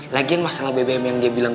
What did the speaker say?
lagian masalah bbm yang dia bilang